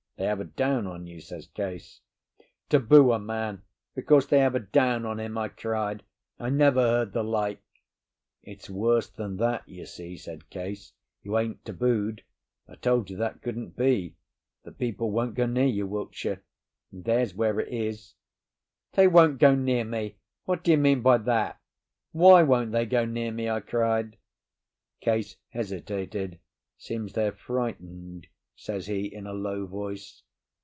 They have a down on you," says Case. "Taboo a man because they have a down on him!" I cried. "I never heard the like." "It's worse than that, you see," said Case. "You ain't tabooed—I told you that couldn't be. The people won't go near you, Wiltshire, and there's where it is." "They won't go near me? What do you mean by that? Why won't they go near me?" I cried. Case hesitated. "Seems they're frightened," says he, in a low voice.